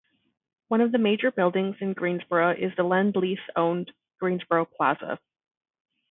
One of the major buildings in Greensborough is the Lend Lease owned Greensborough Plaza.